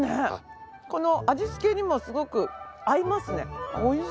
この味付けにもすごく合いますね。